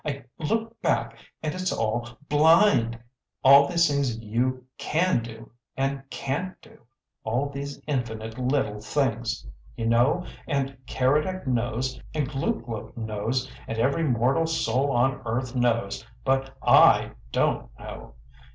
"I look back and it's all BLIND! All these things you CAN do and CAN'T do all these infinite little things! You know, and Keredec knows, and Glouglou knows, and every mortal soul on earth knows but I don't know!